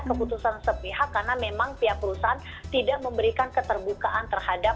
keputusan sepihak karena memang pihak perusahaan tidak memberikan keterbukaan terhadap